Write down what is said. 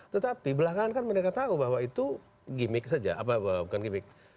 tetapi belakangan kan mereka tahu bahwa itu gimmick saja bukan gimmick